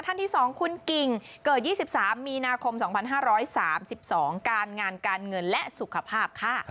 ท่านที่๒คุณกิ่งเกิด๒๓มีนาคม๒๕๓๒การงานการเงินและสุขภาพค่ะ